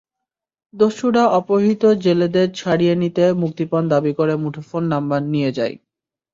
দস্যুরা অপহৃত জেলেদের ছাড়িয়ে নিতে মুক্তিপণ দাবি করে মুঠোফোন নম্বর দিয়ে যায়।